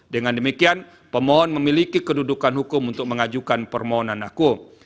dengan demikian pemohon memiliki kedudukan hukum untuk mengajukan permohonan aku